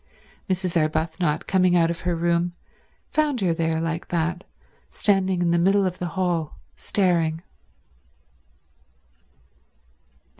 Mrs. Arbuthnot, coming out of her room, found her there like that, standing in the middle of the hall staring.